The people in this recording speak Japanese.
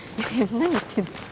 何言ってんの。